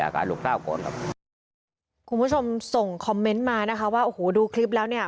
คุณผู้ชมส่งคอมเมนต์มานะคะว่าโอ้โหดูคลิปแล้วเนี่ย